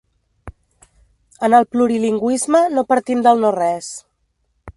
En el plurilingüisme no partim del no res.